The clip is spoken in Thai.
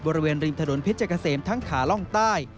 บริเวณริมถนนเพชรเกษมทั้งขาล่องใต้